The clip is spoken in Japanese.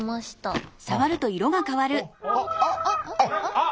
あっ？